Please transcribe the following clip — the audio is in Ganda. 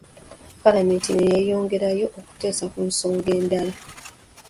Paalamenti ne yeeyongerayo okuteesa ku nsonga endala.